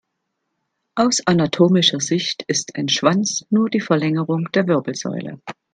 Aus anatomischer Sicht ist ein Schwanz nur die Verlängerung der Wirbelsäule.